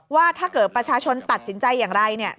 ว่าถ้าเกิดประชาชนตัดสินใจอย่างไรเนี่ย